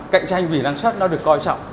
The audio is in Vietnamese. cạnh tranh vì năng suất nó được coi trọng